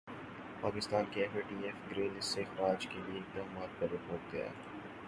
پاکستان کے F A T F grey list سے اخراج کیلئے اقدامات پر رپورٹ تیار